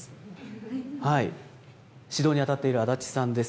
指導に当たっている安達さんです。